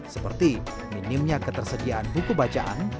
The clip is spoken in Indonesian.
seperti minimnya ketersediaan buku bacaan